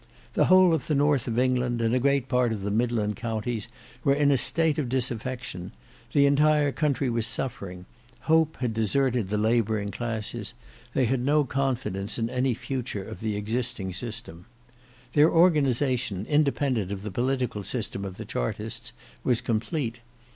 The whole of the north of England, and a great part of the midland counties were in a state of disaffection; the entire country was suffering; hope had deserted the labouring classes; they had no confidence in any future of the existing system. Their organisation, independent of the political system of the Chartists, was complete.